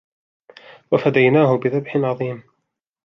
وَفَدَيْنَاهُ بِذِبْحٍ عَظِيمٍ